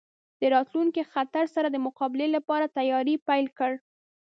د راتلونکي خطر سره د مقابلې لپاره تیاری پیل کړ.